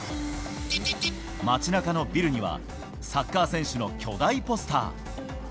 街なかのビルには、サッカー選手の巨大ポスター。